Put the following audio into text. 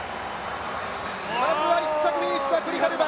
まずは１着フィニッシュはグリハルバ。